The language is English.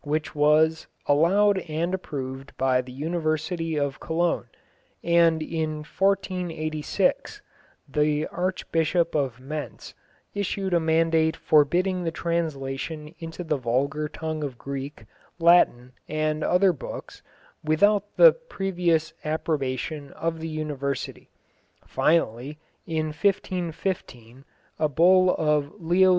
which was "allowed and approved by the University of Cologne," and in 1486 the Archbishop of Mentz issued a mandate forbidding the translation into the vulgar tongue of Greek, Latin, and other books, without the previous approbation of the University. Finally, in 1515, a bull of Leo X.